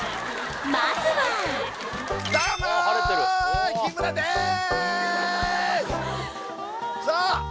まずはどうも日村です！